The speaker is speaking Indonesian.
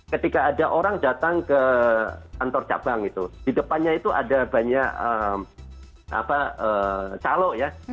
ketika ada orang datang ke kantor cabang itu di depannya itu ada banyak calok ya